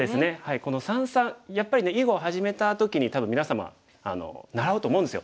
この三々やっぱりね囲碁を始めた時に多分皆様習うと思うんですよ